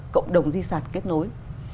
cộng đồng di sản kết nối